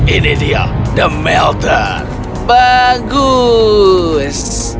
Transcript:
ini dia the melter bagus